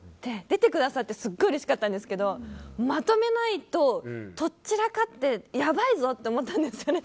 出てくださってすごくうれしかったんですけどまとめないととっちらかって、やばいぞと思ったんですよね。